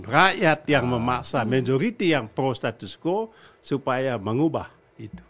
rakyat yang memaksa majority yang pro status quo supaya mengubah itu